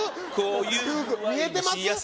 こういうぐあいに見えてます？